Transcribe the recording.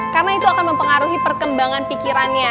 karena itu akan mempengaruhi perkembangan pikirannya